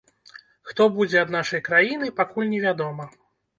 Хто будзе ад нашай краіны, пакуль не вядома.